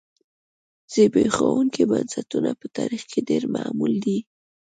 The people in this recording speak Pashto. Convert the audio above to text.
زبېښونکي بنسټونه په تاریخ کې ډېر معمول دي.